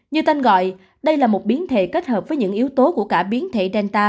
như tên gọi đây là một biến thể kết hợp với những yếu tố của cả biến thể delta